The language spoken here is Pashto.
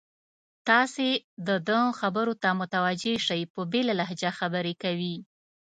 تاسې د ده خبرو ته متوجه شئ، په بېله لهجه خبرې کوي.